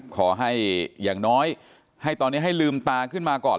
ขอให้อย่างน้อยให้ตอนนี้ให้ลืมตาขึ้นมาก่อน